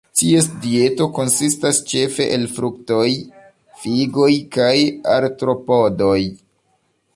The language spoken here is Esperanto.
Ties dieto konsistas ĉefe el fruktoj, figoj kaj artropodoj.